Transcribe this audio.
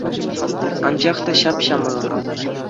Анчах та ҫап-ҫамрӑк.